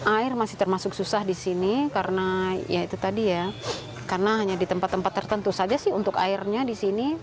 air masih termasuk susah di sini karena hanya di tempat tempat tertentu saja untuk airnya di sini